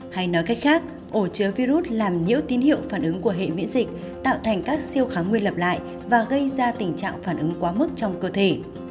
hay nói cách khác ổ chứa virus làm nhiễu tín hiệu phản ứng của hệ miễn dịch tạo thành các siêu kháng nguyên lặp lại và gây ra tình trạng phản ứng quá mức trong cơ thể